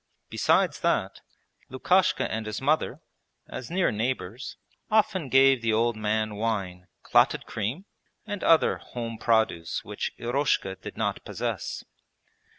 Besides that, Lukashka and his mother, as near neighbours, often gave the old man wine, clotted cream, and other home produce which Eroshka did not possess.